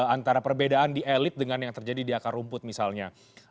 antara perbedaan di elit dengan yang terjadi di akar rumput misalnya